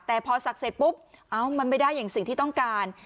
แต่พอศักดิ์เสร็จปุ๊บเอ้ามันไม่ได้อย่างสิ่งที่ต้องการ